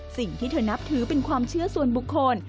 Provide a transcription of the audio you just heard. สิ่งที่เธอนับถือเป็นความเชื่อส่วนบุคคล